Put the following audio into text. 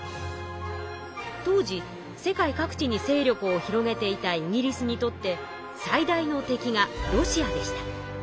当時世界各地に勢力を広げていたイギリスにとって最大の敵がロシアでした。